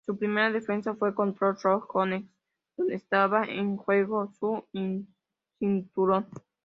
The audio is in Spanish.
Su primera defensa fue contra Roy Jones Jr., donde estaba en juego su cinturón.